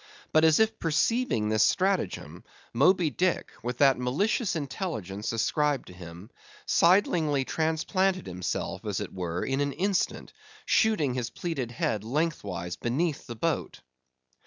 But as if perceiving this stratagem, Moby Dick, with that malicious intelligence ascribed to him, sidelingly transplanted himself, as it were, in an instant, shooting his pleated head lengthwise beneath the boat.